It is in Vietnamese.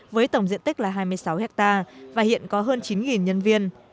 với tổng diện tích là hai mươi sáu hectare và hiện có hơn chín nhân viên